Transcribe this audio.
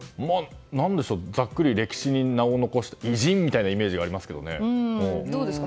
何でしょう、ざっくり歴史に名を残した偉人みたいなイメージがありますけどね。